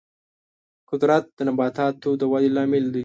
قدرت د نباتاتو د ودې لامل دی.